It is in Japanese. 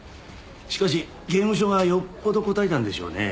しかし刑務所がよっぽどこたえたんでしょうね。